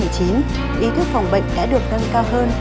ý thức phòng bệnh đã được nâng cao hơn